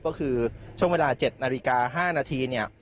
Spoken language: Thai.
ก็คือช่วงเวลา๗นาฬิกา๕นาทีเนี่ย